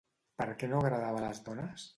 Per què no agradava a les dones?